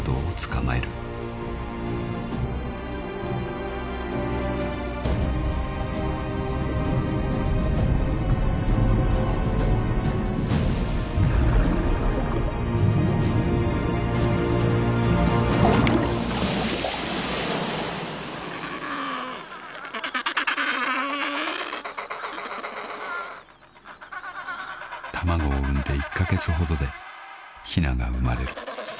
［卵を産んで１カ月ほどでひなが生まれる］